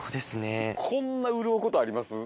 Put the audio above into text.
こんな潤うことあります？